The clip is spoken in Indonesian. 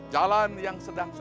jalan yang sedang suci